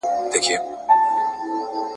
محکمې مخکي لا خپله عادلانه پرېکړه اورولي وه.